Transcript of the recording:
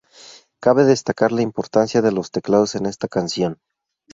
Cabe destacar la importancia de los teclados en esta canción.